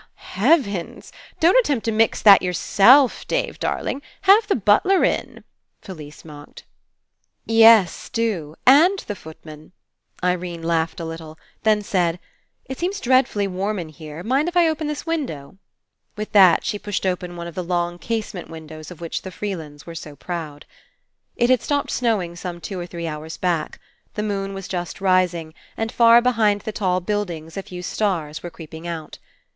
"Heavens! Don't attempt to mix that yourself, Dave darling. Have the butler in," Fellse mocked. "Yes, do. And the footman." Irene laughed a little, then said: "It seems dread fully warm in here. Mind if I open this win dow?" With that she pushed open one of the long casement windows of which the Freelands were so proud. It had stopped snowing some two or three hours back. The moon was just rising, and far behind the tall buildings a few stars were creeping out.